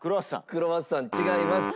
クロワッサン違います。